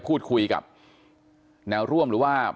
พูดคุยกับแนวร่วมหรือว่า